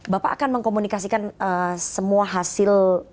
bapak akan mengkomunikasikan semua hasil